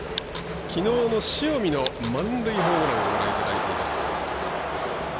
きのうの塩見の満塁ホームランをご覧いただいています。